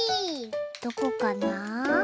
どこかなあ？